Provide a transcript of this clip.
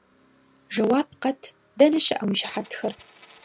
- Жэуап къэт, дэнэ щыӀэ уи щыхьэтхэр?